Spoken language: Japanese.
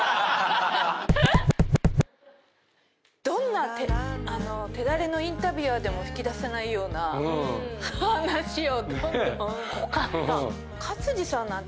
どんな手だれのインタビュアーでも引き出せないような話をどんどん。